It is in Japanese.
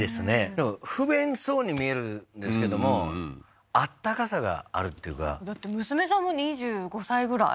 でも不便そうに見えるんですけども温かさがあるっていうかだって娘さんもう２５歳ぐらい？